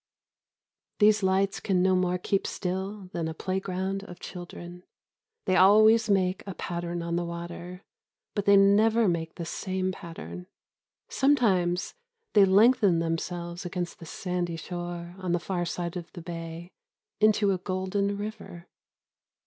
These lights can no more keep still than a playground of children. They always make a pattern on the water, but they never make the same pattern. Sometimes they lengthen themselves against the sandy shore on the far side of the bay into a golden river.